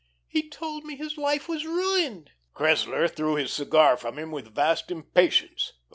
"He told me his life was ruined." Cressler threw his cigar from him with vast impatience.